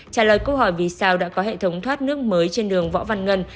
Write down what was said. trả lời câu hỏi vì sao đã có hệ thống thoát nước mới trên đường võ văn ngân